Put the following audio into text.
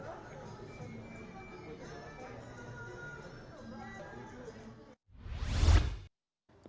perda tentang covid sembilan belas disahkan dalam rapat paripurna dprd dki jakarta